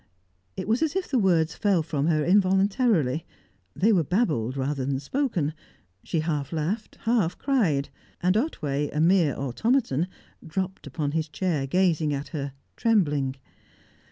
It was as if the words fell from her involuntarily; they were babbled, rather than spoken; she half laughed, half cried. And Otway, a mere automaton, dropped upon his chair, gazing at her, trembling.